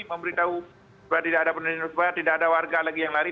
memberitahu bahwa tidak ada penyusupan tidak ada warga lagi yang lari